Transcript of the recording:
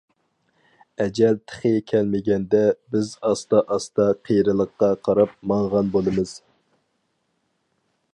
ئەجەل تېخى كەلمىگەندە، بىز ئاستا-ئاستا قېرىلىققا قاراپ ماڭغان بولىمىز.